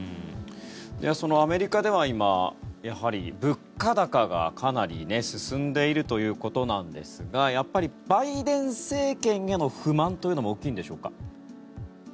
アメリカでは今やはり、物価高がかなり進んでいるということなんですがやっぱりバイデン政権への不満というのも大きいんでしょうか。